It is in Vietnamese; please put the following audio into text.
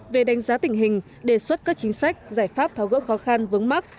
về đánh giá tình hình đề xuất các chính sách giải pháp tháo gỡ khó khăn vướng mắt